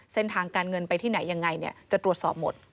เส้นทางการเงินไปที่ไหนยังไงจะตรวจสอบหมด